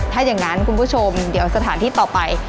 ถ้าอย่างนั้นคุณผู้ชมเดี๋ยวสถานที่ต่อไป